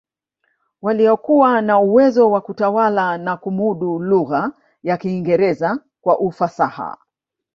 Waliokuwa na uwezo wa kutawala na kumudu lugha ya Kiingereza kwa ufasaha